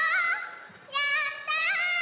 やった！